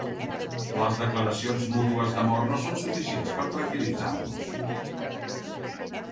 Les declaracions mútues d'amor no són suficients per tranquil·litzar-nos.